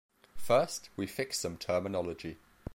First, we fix some terminology.